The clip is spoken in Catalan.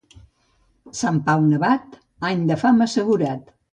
Sant Pau nevat, any de fam assegurat.